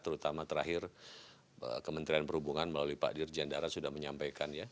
terutama terakhir kementerian perhubungan melalui pak dirjen darat sudah menyampaikan ya